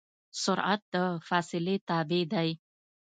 سرعت د فاصلې تابع دی.